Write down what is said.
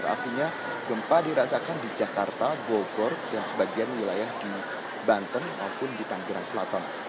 artinya gempa dirasakan di jakarta bogor dan sebagian wilayah di banten maupun di tanggerang selatan